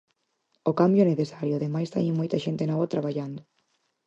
O cambio é necesario e ademais teñen moita xente nova traballando.